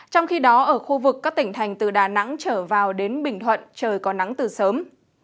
trong khi đó ở khu vực các tỉnh thành từ đà nẵng trở vào đến bình thuận trời có nắng từ sớm